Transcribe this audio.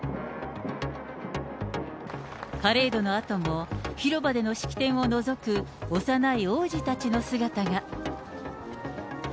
パレードのあとも、広場での式典をのぞく幼い王子たちの姿が。